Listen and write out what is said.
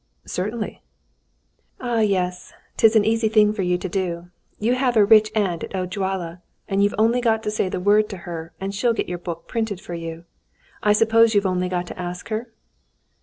"Certainly." "Ah, yes, 'tis an easy thing for you to do! You have a rich aunt at Ó Gyalla, and you've only got to say a word to her and she'll get your book printed for you. I suppose you've only got to ask her?"